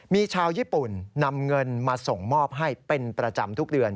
มีชาวญี่ปุ่นนำเงินมาส่งมอบให้เป็นประจำทุกเดือน